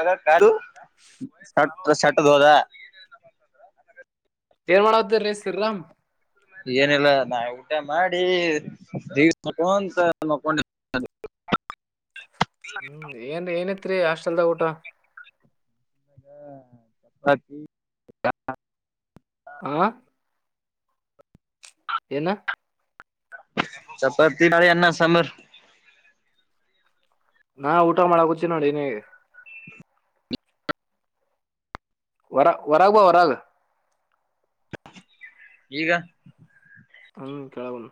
ಏನ್ ಮಗ ಕಾರು ಸೆಟೆದು ಹೋದ ಏನ್ ಮಾಡೋದು ಏನಿಲ್ಲ ನಾ ಊಟ ಮಾಡಿ ದವ ಮಕೊಂತ ಮಕೊಂಡ ಹೂ ಏನ್ ಏನಿತ್ರಿ ಹಾಸ್ಟೆಲ್ದಾಗ ಊಟ ಚಪಾತಿ ಹ ಏನ ಚಪಾತಿ ಮಾಡಿ ಅನ್ನ ಸಾಂಬಾರ್ ಹ ಊಟ ಮಾಡಕುಂಚಿನಿ ನೋಡಿ ಏನ್ ಹೇಳಿ ಹೊರ ಹೊರಗ್ ಬಾ ಹೊರಗ ಈಗ ಹೂ ಕೇಳಗನು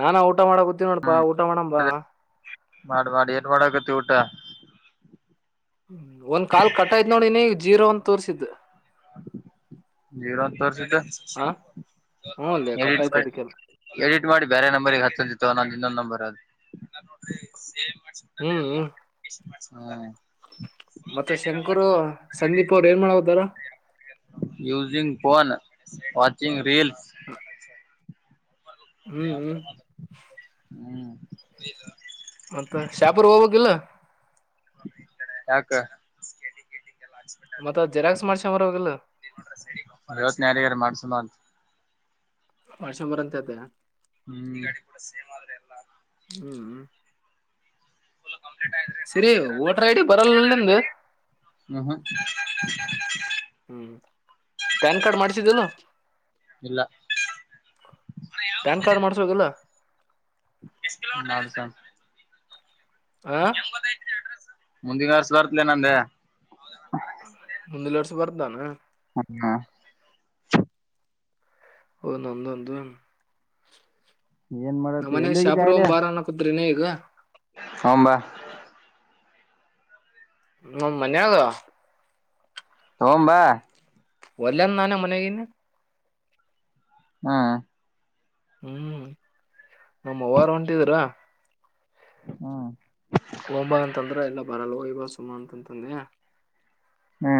ನಾನಾ ಊಟ ಮಾಡ ಗೊತ್ತೀವಿ ನೋಡಪಾ ಊಟ ಮಾಡಂಬಾ ಮಾಡ್ ಮಾಡಿ ಏನ್ ಮಾಡಕತಿ ಊಟ ಹೂ ಒಂದ್ ಕಾಲ್ ಕಟಾಯ್ ನೋಡಿ ನೀ ಜೀರೋ ಅಂತ ತೋರ್ರಿಸಿತ್ತು ಜೀರೋ ತೋರಿಸಿದೆ ಹ ಹ್ಮ್ ಲೇ ಕಟ್ ಎಡಿಟ್ ಆಯ್ತು ಮಾಡಿ ಅದಕ್ಕೆಲ್ಲ ಎಡಿಟ್ ಮಾಡಿ ಬೇರೆ ನಂಬರ್ಗೆ ಹತ್ತಂದಿತ್ತುವ ನೊಂದು ಇನ್ನೊ್ ನಂಬರ್ ಅದು ಎಲ್ಲೋ ಸೇಮ್ ಹೂ ಹೂ ಮತ್ತೆ ಶಂಕ್ರು ಸಂದೀಪ್ ಅವ್ರು ಏನ್ ಮಾಡ್ಕುಂತರಾ ಯೂಸಿಂಗ್ ಫೋನ್ ವಾಚಿಂಗ್ ರೀಲ್ಸ್ ಹ್ಮ್ ಹ್ಮ್ ಹೂ ಮತ್ತ ಶಾಪುರ್ ಹೋಗೋಗಿಲ್ಲ ಯಾಕ ಗಿಡ್ಡಿ ಗಿಡ್ಡಿ ಮತ್ತ ಜೆರಾಕ್ಸ್ ಮಾಡ್ಸ್ಕೊಂಡ್ ಬರಬೇಕಿಲ್ಲ ಅವತ್ ಯಾರಗಾರ ಮಾಡ್ಸುಮಾರ ಮಾಡ್ಸ್ಕೆಂಡೂ ಬಾ ಅಂತ ಹೇಳ್ತೀಯ ಹ್ಮಂಗಾಡಿ ಕೂಡ ಸೇಮ್ ಆದ್ರೆ ಎಲ್ಲಾ ಹೂ ಸಿರಿ ವೋಟರ್ ಐ ಡಿ ಬರಲಲ್ಲ ನಿಮ್ದ ಹ್ಮ್ ಹೂ ಪ್ಯಾನ್ ಕಾರ್ಡ್ ಮಾಡ್ಿಸಿದ್ದ ಏನ್ ಇಲ್ಲ ಹ್ಮ್ ಇಲ್ಲ ಪ್ಯಾನ್ ಕಾರ್ಡ್ ಮಾಡ್ಸ್ಬೇಕೀಲ್ಲ ಎಸ್ಟು ಕಿಲೋಮೀಟರ್ ಆ ಮುಂದಿನ ವರ್ಸ ಬರ್ತ್ಲ ನಂದೆ ಬರ್ತಾನೆ ಅಣ್ಣ ಒಂದೊಂದು ಏನ್ ಮಾಡುತ್ತಿ ಎಲ್ಲಿ ಶಾಪುರ ಹೋಗೋಣ ಒಂದ್ ಬಾರ ಅನ್ನಕೂತ್ರಿನ ಈಗ ಬಾ ಮೊ ಮನೆಗ ಹೋಗನ ಬಾ ಒಲ್ಲ ನಾನ ಮನಗನೆ ಹ ಹೂ ನಮ್ಮ ಅವ್ವರು ಹೊಂಟಿದ್ರು ಹೂ ಸುಮ ಅಂತಂತಂದಯಾ ಹ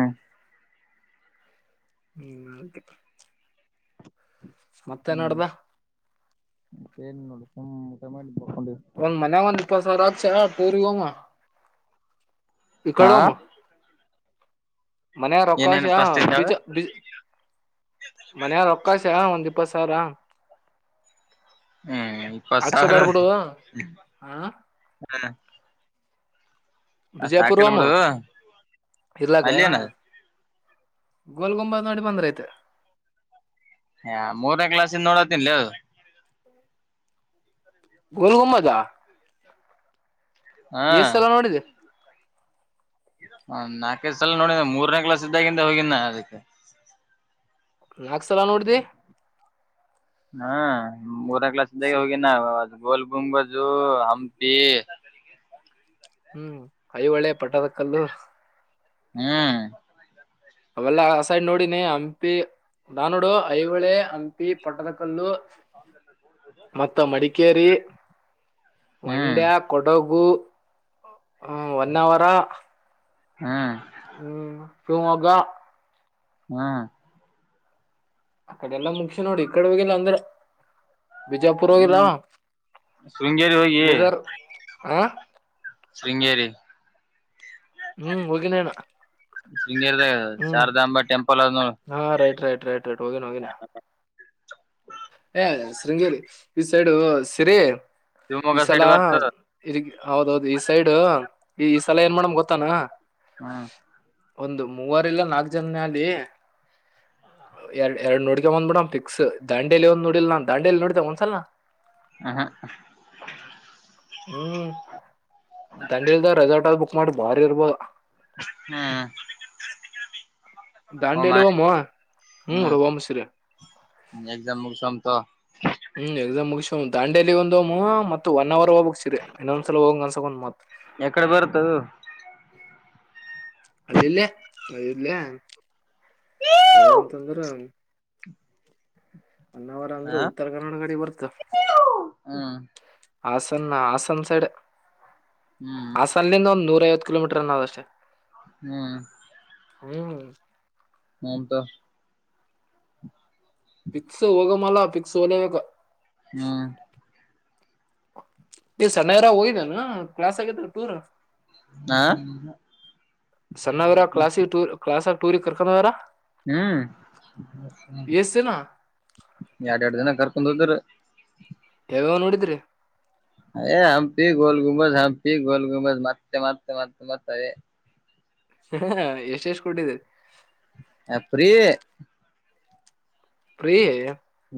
ಹೂ ಅಂತ ಮತ್ತೆ ಹ್ಮ್ ನೋಡ್ದ ಮತ್ತೇನ್ ನೋಡು ಮಾಡ ಒಂದ್ ಮನ ಒಂದ್ ಇಪ್ಪ ಸರ ಆಗ್ಸ ಟೋರಿ ಹಮ್ಮ ಇ ಹಾ ಕಡೋಾಮ ಮನೆಯೊಕ್ಕಾಶ ಏನೇನು ಫಸ್ಟ್ ಇದ್ದಾವ ಬಜಜ ಮನೆಯಾರೊಕ್ಕಾಶ ಒಂದ್ ದಪಸ ಸರ ಹ್ಮ್ ಇಪ್ಪತ್ ಅಕ್ಷಯ ಸಾವಿರ ಬಡ್ಬಿಡುವ ಆ ಹ ಅಷ್ಟ್ ಹಾಕಲ್ ಬಿಜಯಪುರ್ವಮ್ಮ ಬಿಡು ಇಲಾಕ್ಕ ಅಲ್ಲೇನ ಗೋಲ್ ಗೊಂಬ ನೋಡಿ ಬಂದ್ರಐತೆ ಹ ಮೂರನೇ ಕ್ಲಾಸ್ಿಂದ ನೋಡತ್ತನ್ಿಲ್ಲ ಅದು ಗುರುಹಮ್ಮದಾ ಹಾ ಏ ಸಲ ನೋಡಿದೆ ಹ ನಾಲ್ಕೈ ಸಲ ನೋಡಿನ ಮೂರನೇ ಕ್ಲಾಸ್ ಇದ್ದಾಗಿಂದ ಹೋಗಿದ ಅದಕ್ಕೆ ನಾಕ್ಸಲ ನೋಡ್ದ ಹಾ ಊರಾ ಕ್ಲಾಸ್ ಹೋಗಿ ನ ಗೋಲ್ಗುಮ ಬಾಜು ಹಂಪಿ ಹ್ಮ್ ಐ ಒಳ್ಳೆ ಪಟದ ಕಲ್ಲು ಹ್ಮ್ ಅವೆಲ್ಲ ಆ ಸೈಡ್ ನೋಡಿನಿ ಹಂಪಿ ನಾನೋಡು ಐಹಳೆ ಹಂಪಿ ಪಟ್ಟದ ಕಲ್ಲು ಮತ್ತ ಮಡಿಕೇರಿ ಹ್ಮ್ ಮಂಡ್ಯ ಕೊಡಗು ಹ ಒನ್ನವರ ಹಾ ಹ್ಮ್ ಸುಮಗಾ ಹಾ ಅ ಕಡೆ ಎಲ್ಲಾ ಮುಖ್ಯ ನೋಡಿ ಈ ಕಡೆ ಹಾಗಲ್ಲ ಅಂದ್ರೆ ಹ್ಮ್ ಬಿಜಾಪುರವಾಗಿೋಗಲ್ಲಾವ ಶೃಂಗೇರಿ ಹೋಗಿ ಬಿದರ್ ಹ ಶೃಂಗೇರಿ ಹ್ಮ್ ಹೋಗಿನೇಣ ಶೃಂಗೇರಿದಾಗ ಹ್ಮ್ ಶಾರದಾಂಬ ಟೆಂಪಲ್ ಅದ ನೋಡು ನತ ರೈಟ್ ರೈಟ್ ರೈಟ್ ಹೋಗೇನೆ ಹೋಗೇನಾ ಶೃಂಗೇರಿ ಈ ಸೈಡು ಸಿರಿ ಈ ಶಿವಮೊಗ್ಗ ಸಲ ಸೈಡ್ ಬರ್ತ ಇಗ್ ಹೌದೌದು ಈ ಸೈಡ್.... ಈ ಈ ಸಲ ಏನ್ ಮಾಡಮ ಗೊತ್ತಾನ... ಹಾ ಒಂದ್ ಮೂವರ ಇಲ್ಲ ನಾಲ್ಕ್ ಜನನೇ ಆಗ್ಲಿ ಎರಡ್ ಎರಡ್ ನೋಡಿದೆ ಬಿಡಂ ಫಿಕ್ಸ್. ದಾಂಡೇಲಿ ಒಂದ್ ನೋಡಿಲ್ ನ ದಾಂಡೇಲ ನೋಡದೆ ಒಂದ್ಸಲಾ ನಾ... ಹುಹೂಮ್ ಹು... ಹ್ಮ್ ದಾಂಡೇಲಿದಾಗ ರೆಸಾರ್ಟ್ ಅದ ಬುಕ್ ಮಾಡಿ ಬಾರೀ ಇರ್ಬೋದು. ಹ್ಮ.... ದಾಂಡೇಲಿ ಹೋಗಮ.. ಹು ಹ್ಮ್ ಹೋಗಮ್ಮ ಸರಿ..... ಎಕ್ಸಾಮ್ ಮುಗಸಮಂ ತೊ..... ಹ್ಮ್ ಎಕ್ಸಾಮ್ ಮುಗ ದಾಂಡಿಯಲಿ ಒಂದ ಮತ್ತು ಇನ್ನ ಅವರ್ ಹೋಗಕ್ ಸೀರಿ ಇನ್ನೊಂದ್ಸಲ ಹೋಗಂಗ ಅನ್ಸಕೊಂದ್ ಮತ್ ಎಕಡೆ ಬರುತ್ತದು ಅಲ್ಲಿಲ್ಲೇ ಇರ್ಲ ಯಾವ್ದಂತಂದ್ರ ಅನ್ನಾವರ ಅಂದ್ರೆ ಹ ಉತ್ತರ ಕನಾಡ ಗಡಿ ಬರ್ತ ಹ್ಮ್ ಹಾಸನ್ನ ಹಾಸನ್ ಸೈಡ್ ಹ್ಮ್ ಹಾಸನಿಂದ ಒಂದ್ ನೂರ ಐವತ್ತು ಕಿಲೋಮೀಟರ್ ಅನ್ನೋದಷ್ಟೇ ಹ್ಮ್ ಹ್ಮ್ ಹಂತ ಕ್ ಸೋಲ ಹ್ಮ್ ಏ ಸಣ್ಣಯರ ಹೋಗಿದ್ನೆನು ಕ್ಲಾಸ್ ಆಗತ್ ಟೂರ್ ಆ ಸಣ್ಣವರಾ ಕ್ಲಾಸಿಕ್ ಟೂರ್ ಕ್ಲಾಸಗ ಟೂರಿ ಕರ್ಕೊಂಡ್ವರಾ ಹ್ಮ್ ಎಷ್ಟ ದಿನ ಎರಡ್ ಎರಡು ದಿನ ಕರ್ಕೊಂಡ ಹೋದ್ರ ಯಾವ ನೋಡಿದ್ರಿ ಏ ಹಂಪಿ ಗೋಲ್ ಗುಮಜ ಹಂಪಿ ಗೋಲ್ ಗುಮಜ ಮತ್ತ ಮತ್ತ ಮತ್ತೆ ಮತ ಅದೇ ಹ ಎಷ್ಟ ಎಷ್ಟ್ ಕೊಟ್ಟಿದ್ರಿ ಏ ಫ್ರೀ ಫ್ರೀ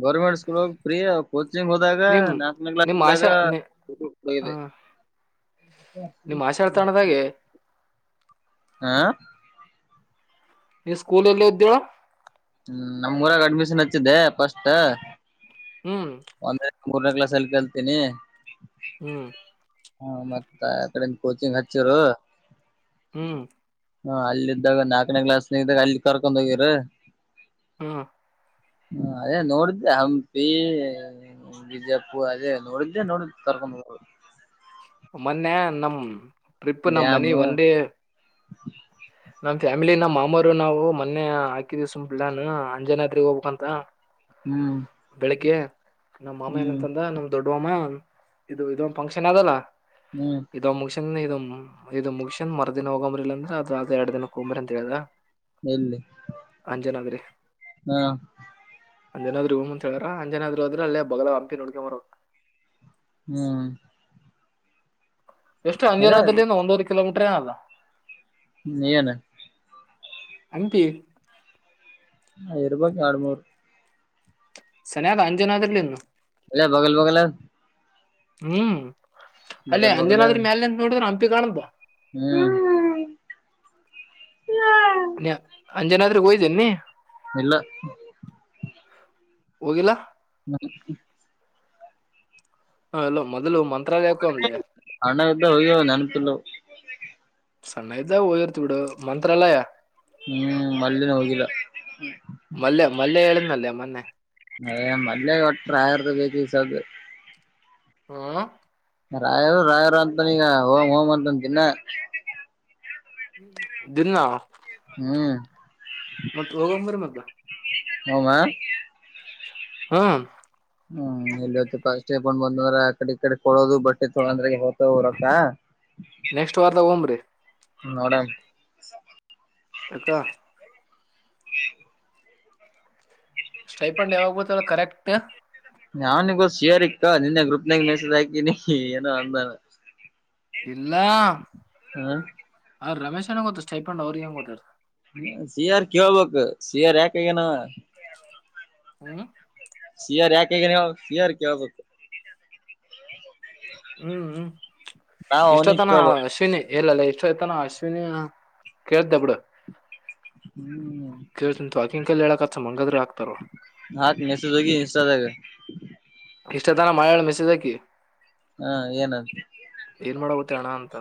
ಗೌರ್ಮಂಟ್ ಸ್ಕೂಲ್ ಲ್ಲಿ ಫ್ರೀ ಹೋದಾಗ ನಿಮ್ ನ್ಯಾಷನಲ್ ಕ್ಲಾಸ್ ನಿಮ್ ಇದ್ದಾಗ ಆಶಾ ನಿ ಫ್ರೀ ಹ ಇದೆ [inaudible] ನಿಮ್ ಆಶಾತಾಣದಾಗೆ ಹಾ ನೀ ಸ್ಕೂಲ್ ಎಲ್ಲಿ ಇದ್ದ್ಯಳ ಹ್ಮ್ ನಮಮ್ಮೂಊರಾಗ ಅಡ್ಮಿಷನ್ ಹಚ್ಚಿದ್ದೆ ಫಸ್ಟು ಹ್ಮ್ ಮೂರನೇ ಕ್ಲಾಸ್ ಅಲ್ಲಿ ಕಲ್ತೀನಿ ಹ್ಮ್ ಹಾ ಮತ್ತ ಯ ಕಡೆಯಿಂದ ಕೋಚಿಂಗ್ ಹಚ್ಚೀರು ಹ್ಮ್ ಹಾ ಅಲ್ಲಿ ಇದಿದ್ದಾಗ ನಾಲ್ಕನೇ ಗ್ಲಾಸ್ನ ಇದ್ದಾಗ ಅಲ್ಲಿ ಕರ್ಕೊಂಡೋಡು ಹೋಗಿದ್ರು ಹ್ಮ್ ಹ ಅದೇ ನೋಡಿದ್ದೆ ಹಂಪಿ ಬಿಜಪುರ್ ಅದೇ ನೋಡಿದ್ದೆ ನೋಡುತ [inaudible] ಮೊನ್ನೆ ನಮ ಟ್ರಿಪ್ ನಮ್ ಡ್ಯಾಮ್ ಮನಿ ಒನ್ ಡೇ ಮಾಮೂರು ನಾವು ಮೊನ್ನೆ ಹಾಕಿದಿ ಸುಮ್ ಪ್ಲಾನ್ ಅಂಜನಾದ್ರಿಗ್ ಹೋಗ್ಬೇಕಂತ ಹ್ಮ್ ಬೆಳಿಗ್ಗೆ ನಮ್ಮ ಮಾಮ ಹ್ಮ್ ಏನಂತಂದ ನಮ ದೊಡ್ಡ ಮಾಮ ಇದು ಇದೊಂದು ಫಂಕ್ಷನ್ ಅದಲ್ಲ ಹ್ಮ್ ಇದೊಂದ್ ಮುಗ್ಸಿ ಂದ ಇದು ಇದು ಮುಗಶಂದನ್ ಮರರ್ದಿನ ಹೋಗಂಬ್ರಿ ಇಲ್ಲ ಅಂದ್ರೆ ಅದು ಅದ ಎರ ದಿನಕ್ಕೆಕ್ಂಬ್ರಿ ಅಂತ ಹೇಳದ ಎಲ್ಲಿ ಹಾ ಅಂಜನ್ರ್ ಹೂಮ್ ಅಂತ ಹೇಳಾರ ಅಂಜನಾದ್ರು ಆದದ್ರ ಅಲ್ಲೇ ಬಗಲ ಹಂಪಿ ನೋಡ್ಕ ಬಾರದು ಹ್ಮ್ ಎಷ್ಟು ಅದಾವ ಅಂಜನಾದಲ್ಲಿಂದ ಒಂದೂವರೆ ಕಿಲೋಮೀಟ್ರ ಏನ ಅಲ್ಲ ಇನ್ನ ಏನು ಹಂಪಿ ಐ ರೂಪಾಯಕ ಆಡು ಮೂೂರು ಸನೆಯಗ ಅಂಜನ ಅದ್ರಲಿ ಇನ್ನು ಅಲ್ಲ ಬಗಲ್ ಬಗಲ ಹ್ಮ್ ಅಲ್ಲೇ ಬಗಲ್ ಅಂಜನಾದ್ರಿ ಮ್ಯಾಲೆ ನಿಂತು ನೋಡಿದ್ರ ಹಂಪಿ ಕಾಣಂತ ಹ್ಮ್ ಹ್ಮ [inaudible] ನ್ಯ ಅಂಜನಾದ್ರಿ ಹೋಗಿದಿ ಏನ್ ನೀ ಇಲ್ಲ ಹೋಗಿಲ್ಲಾ ಮ [inaudible] ಹ ಹಲೋ ಮೊದುಲು ಅಣ್ಣ‌ಅಂತ ಹೋಗಿವೆ ನೆನಪಿಲ್ಲ ಸಣ್ಣ ಇದ್ದಗ ಓದಿರ್ತಿ ಬಿಡು ಮಂತ್ರಾಲಯ ಹ್ಮ್ ಮಲ್ಲಿ ಹೋಗಿಲ್ಲ ಮಲ್ಲೆ ಮಲ್ಲೆ ಹೇಳಿದ್ನಲ್ಲೆ ಮೊನ್ನೆ ಏ ಮನೆ ಒಟ್ಟ್ರ ಆಯರ್ದು ಬೇಕ ಈ ಸಬ ಹಾ ರಾಯರು ರಾಯರು ಅಂತಾನ ಈಗ ಂ ೋಂ ಅಂತ ತಿನ್ನ ದನ್ನ ಹ್ಮ್ ಹೋಗಂಬ್ರಿ ಮತ್ತ ಹಮ್ಮ ಹ್ಮ್ ಹ್ಮ್ ಇಲ್ಲಿತ್ತು ಪಸ್ೇ ಬೊಂಡ್ ಬಂದ್ಂದ್ರ ಕಡೆ ಈ ಕಡೆ ಕೊಡೋದು ಬಟ್ಟೆ ತೊಗಂದ್ರ ಹೋಗತ ಹೊರಕ್ಕ ನೆಕ್ಸ್ಟ್ ವಾರದ ಒಓ್್ರಿ ಹ್ಮ ನೋಡ ಅಕ್ಕ ಸ್ಟೈಪಂಡ್ ಯಾವಾಗತ್ತಲ್ಲ ಕರೆಕ್ಟ್ ನನ್ಿಗ ಶಿಯರ್ಕ್ಕ ನಿನ್ನ ಗ್ರೂಪ್ನಾಗ ಮೆಸೇಜ್ ಹಾಕಿನಿ ಏನೋ ಅಂದಾನ ಇಲ್ಲ ಹಾ ಹ ರಮೇಶ್ ನಂಗ ಗೊತ್ತತ್ತು ಸೈಫಂಡ್ ಅವ್ರ ಹೆಂಗ ಗೊತ್ತರ್. ಸಿ ಯಾರ ಕಬಕ ಸಿ ಯಾರ ಯಾಕ್ ಹಾಗಿದಾನೆ ಹವಾ. ಹ್ಮ್ ಸಿಿಯರ್ ಯಾಕ ಹಗನ್ ಸಿಿಯರ್ ಕೇಳಬಕು ಹ್ಮ್ ಹ್ಮ್ ನಾವ್ ಅವನಿಗೆ ಇಷ್ಟೊತನ ಕೇಳ್ಬೇಕು ಅಶ್ವಿನಿ ಎಲ್ಲಲ್ಲ ಆಯ್ತಾನ ಅಶ್ವಿನಿ ಕೇಳ್ತಬಡು ಹ್ಮ್ ಕಲ್ಲಿ ಮಂಗದ್ರ [inaudible] ಹಾ ಮೆಸಜ ಹೋಗ ಇನ್ಸ್ಟಾಗ್ರಾಮೆ. ಇಷ್ಟತನ ಮಾಯೆಳ ಮೆಸೇಜ್ ಹಾಕಿ. ಹಾ ಏನಂತ ತಣ ಅಂತ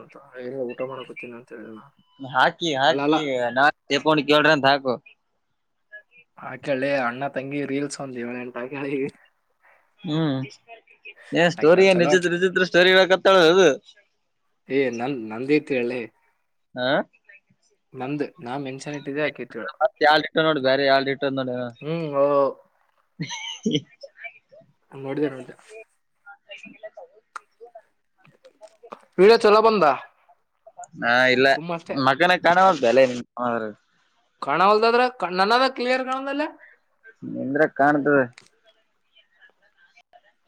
ಊಟ ಮಾಡ್ಕೊತಿನನಂತ ಹಾಕಿ ಹಾಕಿ ನಾ ತೇಪೊಂಡ ಕೇಳ್ರಂತ ಹಾಕು. ಆ ಕೇಳಿ ಅಣ್ಣ ತಂಗಿ ರೀಲ್ಸ್ ಒಂದವನ ಎಂಟ ಕೇಳಿ. ಹ್ಮ್ ಸ್ಟೋರಿ ಆಯ್ಕ ಚಲೋ ನಿಚಿತ್ರ ನಿಚಿತ್ರ ಸ್ಟೋರಿತಾಳ ಅದು. ಏ ನನ್ ನಂದೈತಿ ಹೇಳಿ. ಹಾ ಮಂದ ನಾ ಮೆನ್ಸನ್ ಇಟ್ಟಿದ್ದೆ ಆಕೇತಳ ಮತ್ ಯಾಳ್ ಇಟ್ಟ ನೋಡಿ ಬೇರೆ ಯಾಳ್ ಇಟ್ಟ ನೋಡಿ ಹ್ಮ್ [inaudible] ನೋಡಿದೆ ನೋಡಿದೆ ಅಲ್ಲ ತಗ [inaudible] ವಿೀಡ ಚಲೋ ಬಂದ? ಹಾ ಇಲ್ಲ ಸುಮ್ಮ ಅಷ್ಟೇ ಮಕ್ಕನಕಾಣವಂತಲ್ಲ ಕಾಣವಲ್ದದ್ರ ಕಣ್ಣ ನನದ ಕ್ಲಿಯರ್ ಕಾಣದಲ್ಲ. ನಿಂದ್ರ ಕಾಣತವೆ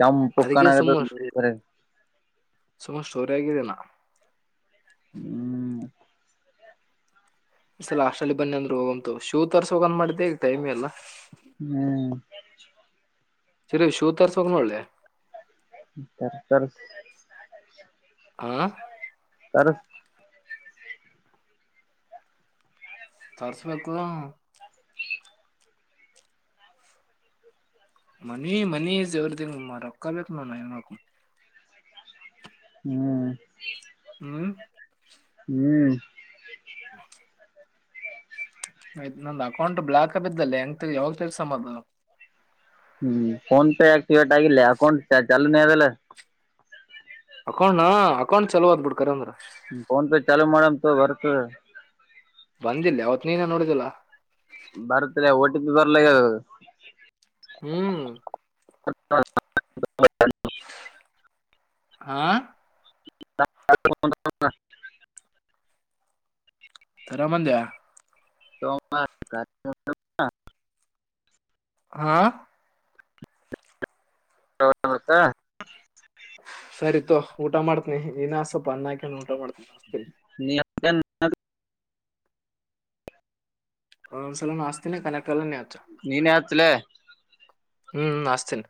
ಯ ಪಕ್ಕಾಣ ಆಗ ಸುಮ ಸ್ಟೋರಿ ಆಗಿದ್ದೀನಾ ಹ್ಮ್ ಮ ಸಲ ಅಾಷ್ಟಲ್ಲಿ ಬನ್ನಿ ಅಂದ್ರರು ಹೋಗಂತು ಶೂ ತರ್ಸ ಹೋಗಂದ್ ಮಾಡಿದ್ದೆ ಈಗ ಟೈಮ್ ಎಲ್ಲ ಹ್ಮ್ ಚರಿ ವಿ ಶೂ ತರಸವಂಗಲ್ಲೆ ಸ ಸ ಹ ಸರ ತರ್ರಿಸ್ಬೇಕು ಮನಿ ಮನಿ ಈಸ್ ಎವ್ರಿತಿಂಗ್ ರೊಕ್ಕ ಬು ನ ನ ಹ್ಮ್ ಹ್ಮ್ ಹ್ಮ್ ಹ ಆಯ್ತ್ ನಂದ್ ಅಕೌಂಟ್ ಬ್ಲಾಕ್ ಆ ಬಿದ್ದಲ್ಲೆ ಹೆಂಗ ಯಾವಾಗ ತರ್ಸಮ್ಮದು ಹ್ಮ್ ಫೋನ್ ಪೇ ಆಕ್ಟಿೇಟ್ ಆಗಿಲ್ಲ ಅಕೌಂಟ್ ಚಾಲುಲ್ಲ ಅಕೌಂಟ್ನ ಅಕೌಂಟ್ ಚಲೋ ಅ್ಬಿಟ್ಖರೇಂದ್ರ ಫೋನ್ ಪೇ ಚಾಲೂ ಮಾಡಮ್ ತ ಬರ್ತ ಬಂದಿಲ್ಲ ಅವತ್ ನೀನ ನೋಡಿದಲ್ಲ ಬರ್ತ್ ಓಟಿ ಪಿ ಬರಲ ಹ್ಮ್ ಹ [unintelligible] ಹಾ [unintelligible] ರಮನ್ದ [unintelligible] ತ [inaudible] ಹಾ ಹತ್ತ [unintelligible] ಸರಿತ ಊಟ ಮಾಡ್ತನಿ ಇನ ಸ್ವಲ್ಪ ಅನ್ನಾಕ ಊಟ ಮಾಡ್ತನಿ ನೀ [unintelligible] ಆರಾಮ ಸ ಆಸ್ತನ ಕಾಲ ನೀನು ಅಚ್ಲೆ ಹ್ಮ್ ಆಕ್ಥಿನಿ